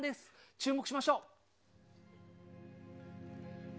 注目しましょう。